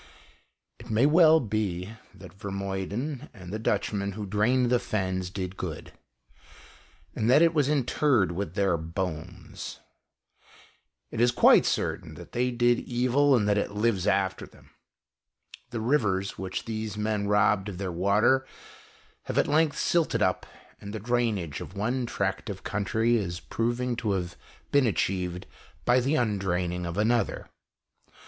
It may well be that Vermuyden and the Dutchmen who drained the fens did good, and that it was interred with their bones. It is quite certain that they did evil and that it lives after them. The rivers, which these men robbed of their water, have at length silted up, and the drainage of one tract of country is proving to have been achieved by the undraining of another.